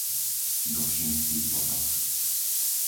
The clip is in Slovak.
Dobšinský potok